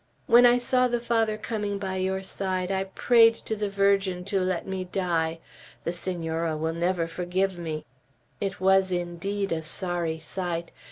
When I saw the Father coming by your side, I prayed to the Virgin to let me die. The Senora will never forgive me." It was indeed a sorry sight.